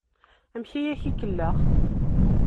Amek ay ak-ikellex?